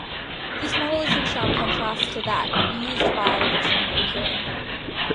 This model is in sharp contrast to that used by original Medicare.